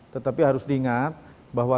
tetapi harus diingat bahwa